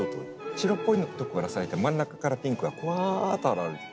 白っぽいとこから咲いて真ん中からピンクがわっと現れて。